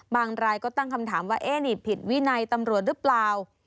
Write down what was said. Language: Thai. รายก็ตั้งคำถามว่าเอ๊ะนี่ผิดวินัยตำรวจหรือเปล่า